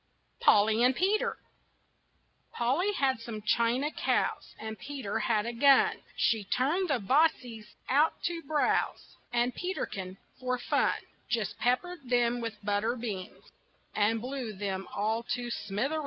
POLLY AND PETER Polly had some china cows And Peter had a gun. She turned the bossies out to browse, And Peterkin, for fun, Just peppered them with butter beans And blew them all to smithereens.